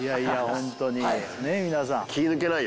ホントにねえ皆さん